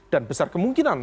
dan besar kemungkinan